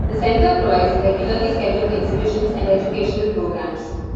The Center provides regularly scheduled exhibitions and educational programs.